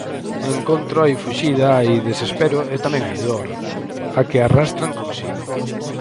No encontro hai fuxida, hai desespero e tamén hai dor, a que arrastran consigo.